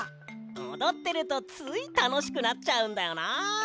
おどってるとついたのしくなっちゃうんだよな。